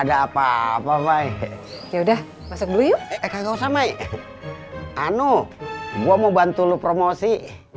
ada apaan deh ada apa apa baik ya udah masuk dulu yuk kagak usah mai anu gua mau bantu lu promosi